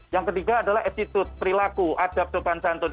yang ketiga adalah attitude perilaku adapt depan santun